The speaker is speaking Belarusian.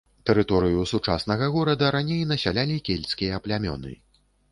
Тэрыторыю сучаснага горада раней насялялі кельцкія плямёны.